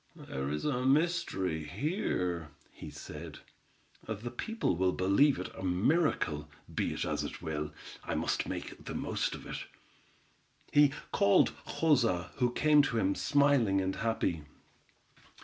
"There is a mystery here," he said; "the people will believe it a miracle; be it as it will, I must make the most of it." He called Joza, who came to him smiling and happy.